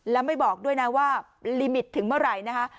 แล้วไม่บอกด้วยนะว่าลิมิตถึงเมื่อไหร่นะคะ